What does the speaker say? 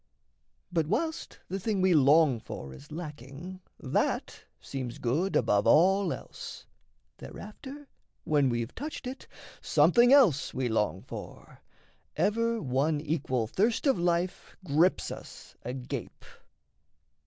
But whilst the thing we long for Is lacking, that seems good above all else; Thereafter, when we've touched it, something else We long for; ever one equal thirst of life Grips us agape.